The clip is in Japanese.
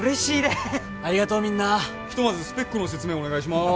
ひとまずスペックの説明お願いします。